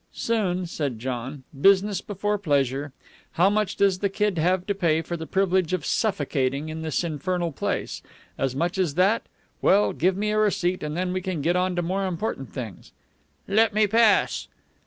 "Soon," said John. "Business before pleasure. How much does the kid have to pay for the privilege of suffocating in this infernal place? As much as that? Well, give me a receipt, and then we can get on to more important things." "Let me pass."